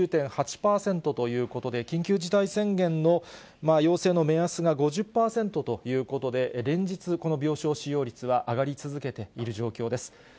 ３９．８％ということで、緊急事態宣言の要請の目安が５０％ということで、連日、この病床使用率は上がり続けている状況です。